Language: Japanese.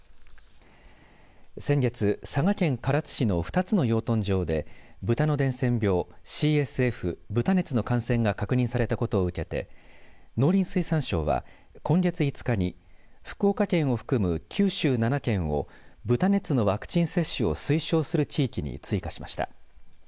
先月、佐賀県唐津市の２つの養豚場で豚の伝染病ＣＳＦ、豚熱の感染が確認されたことを受けて農林水産省は今月５日に福岡県を含む九州７県を豚熱のワクチン接種を推奨する地域に追加しました。